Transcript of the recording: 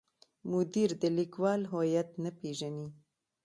مدیر د لیکوال هویت نه پیژني.